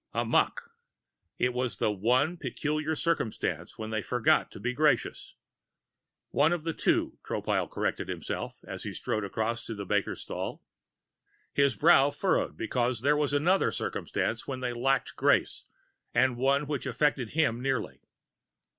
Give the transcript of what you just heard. Amok. It was the one particular circumstance when they forgot to be gracious one of the two, Tropile corrected himself as he strolled across to the baker's stall. His brow furrowed, because there was another circumstance when they lacked grace, and one which affected him nearly.